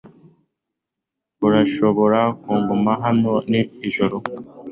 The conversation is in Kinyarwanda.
Urashobora kuguma hano ijoro